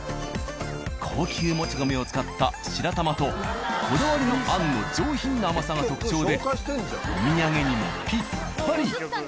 高級もち米を使った白玉とこだわりの餡の上品な甘さが特徴でお土産にもぴったり。